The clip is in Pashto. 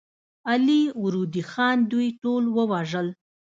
علي وردي خان دوی ټول ووژل.